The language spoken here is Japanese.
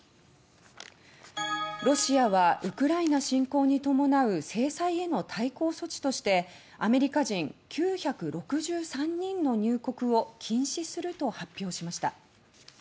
ロシアはウクライナ侵攻に伴う制裁への対抗措置としてアメリカ人９６３人の入国を禁止すると発表しました。